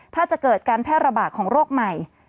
ถ้าจะเกิดการแพร่ระบาดของโรคใหม่